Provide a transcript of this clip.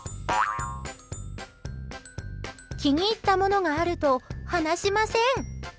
気に入ったものがあると離しません。